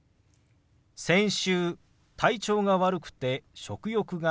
先週体調が悪くて食欲がなかったの。